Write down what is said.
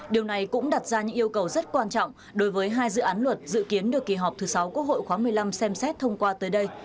điều này cũng đặt ra những yêu cầu rất quan trọng đối với hai dự án luật dự kiến được kỳ họp thứ sáu quốc hội khóa một mươi năm xem xét thông qua tới đây